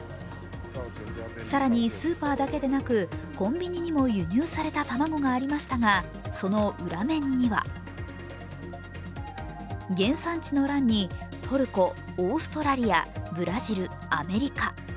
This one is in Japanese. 更に、スーパーだけでなく、コンビニにも輸入された卵がありましたが、その裏面には原産地の欄にトルコ、オーストラリア、ブラジル、アメリカ。